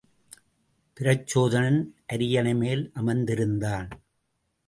பிரச்சோதனன் அரியணைமேல் அமர்ந்திருந்தான்.